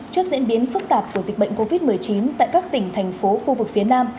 trước diễn biến phức tạp của dịch bệnh covid một mươi chín tại các tỉnh thành phố khu vực phía nam